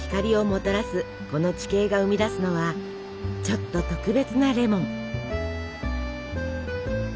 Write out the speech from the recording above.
この地形が生み出すのはちょっと特別なレモン。